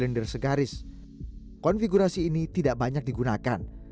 silinder segaris konfigurasi ini tidak banyak digunakan